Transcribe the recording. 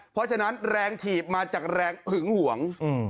เพราะฉะนั้นแรงถีบมาจากแรงหึงหวง